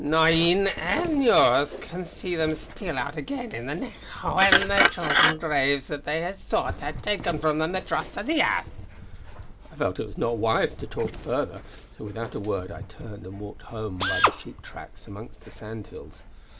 No een, even yours, can see them steal out again in the nicht, when the chosen graves that they hae sought hae taken from them the dross o' the airth." I felt it was not wise to talk further, so without a word I turned and walked home by the sheep tracks amongst the sand hills.